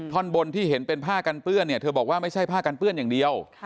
ท่อนบนที่เห็นเป็นผ้ากันเปื้อนเนี่ยเธอบอกว่าไม่ใช่ผ้ากันเปื้อนอย่างเดียว